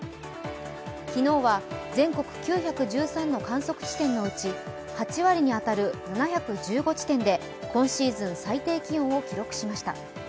昨日は全国９１３の観測地点のうち８割に当たる７１５地点で今シーズン最低気温を記録しました。